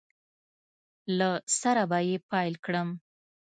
له سره به یې پیل کړم